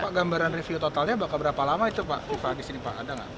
pak gambaran review totalnya bakal berapa lama pak viva disini pak ada nggak